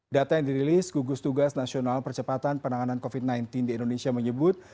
data yang dirilis gugus tugas nasional percepatan penanganan covid sembilan belas di indonesia menyebut